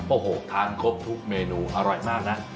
โอ้โหทานครบทุกเมนูอร่อยมากนะ